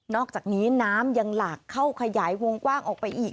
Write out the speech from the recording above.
อกจากนี้น้ำยังหลากเข้าขยายวงกว้างออกไปอีก